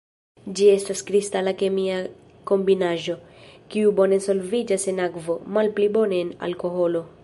Ĝi estas kristala kemia kombinaĵo, kiu bone solviĝas en akvo, malpli bone en alkoholo.